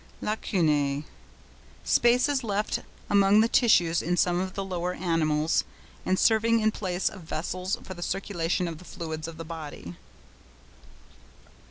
LACUNÆ.—Spaces left among the tissues in some of the lower animals and serving in place of vessels for the circulation of the fluids of the body.